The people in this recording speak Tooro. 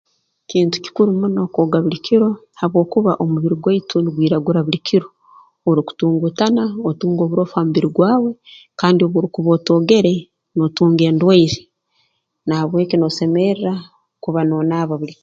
Kintu kikuru muno kwoga buli kiro habwokuba omubiri gwaitu nugwiragura buli kiro obu orukutunguutana otunga oburofu ha mubiri gwawe kandi obu orukuba otoogere nootunga endwaire na habw'eki noosemerra kuba noonaaba buli k